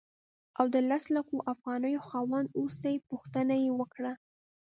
او د لسو لکو افغانیو خاوند اوسې پوښتنه یې وکړه.